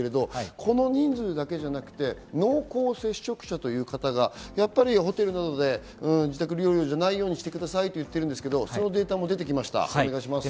この人数だけじゃなくて、濃厚接触者という方がやっぱりホテルなどで自宅療養じゃないようにしてくださいと言ってるんですが、そのデータも出てきましたね。